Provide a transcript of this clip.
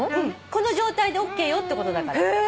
この状態でオッケーよってことだから。